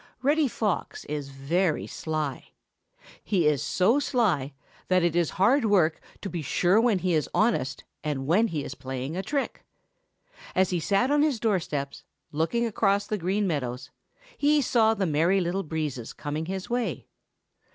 Reddy Fox is very sly. He is so sly that it is hard work to be sure when he is honest and when he is playing a trick. As he sat on his door steps, looking across the Green Meadows, he saw the Merry Little Breezes coming his way.